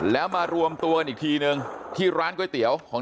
แล้วมารวมตัวกันอีกทีนึงที่ร้านก๋วยเตี๋ยวของ